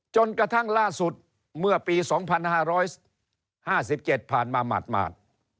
จนกระทั่งล่าสุดเมื่อปี๒๕๕๗ผ่านมาหมาด